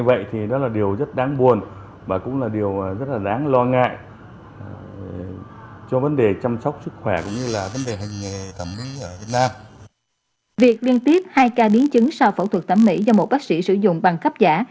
việc liên tiếp hai ca biến chứng sau phẫu thuật thẩm mỹ do một bác sĩ sử dụng bằng cấp giả